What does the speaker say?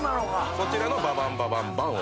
そちらの「ババンババンバン」を。